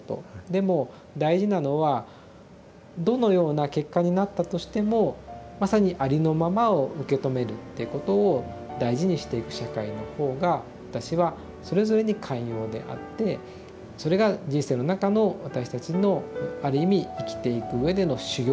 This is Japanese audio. でも大事なのはどのような結果になったとしてもまさにありのままを受け止めるっていうことを大事にしていく社会の方が私はそれぞれに寛容であってそれが人生の中の私たちのある意味生きていくうえでの修行なんではないかなと思ってたりします。